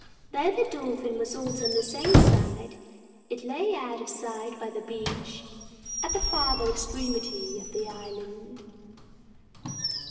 Though the Dolphin was also on the same side, it lay out of sight by the beach at the farther extremity of the island.